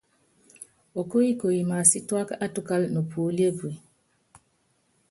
Okóyikoyi másítuáka átukála nopuóli epue.